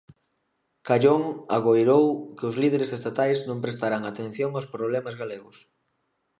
Callón agoirou que os líderes estatais non prestarán atención aos problemas galegos.